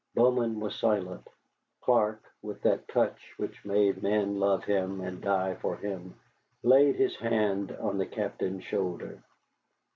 Bowman was silent. Clark, with that touch which made men love him and die for him, laid his hand on the Captain's shoulder.